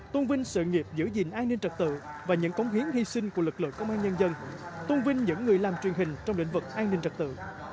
tôn vinh sự nghiệp giữ gìn an ninh trật tự và những cống hiến hy sinh của lực lượng công an nhân dân tôn vinh những người làm truyền hình trong lĩnh vực an ninh trật tự